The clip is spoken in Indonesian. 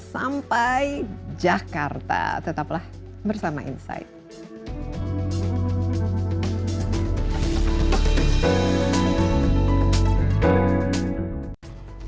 sampai jakarta tetaplah bersama insight